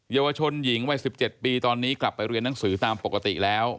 เยาวชนหญิงวัย๑๗ปีตอนนี้กลับไปเรียนหนังสือตามปกติแล้ว